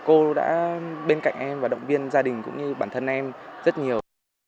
cô đã bên cạnh em và động viên gia đình cũng như bản thân em rất nhiều